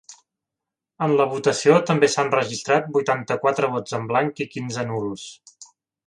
En la votació també s’han registrat vuitanta-quatre vots en blanc i quinze nuls.